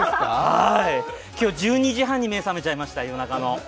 今日、１２時半に目が覚めちゃいました、夜中の。